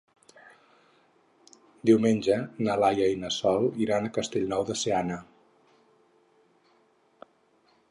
Diumenge na Laia i na Sol iran a Castellnou de Seana.